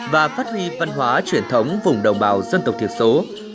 và phát huy văn hóa truyền thống vùng đồng bào dân tộc thiểu số